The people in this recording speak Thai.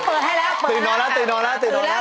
เขาเปิดให้แล้วตื่นนอนแล้วสักครู่